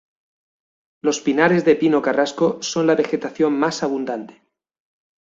Los pinares de pino carrasco son la vegetación más abundante.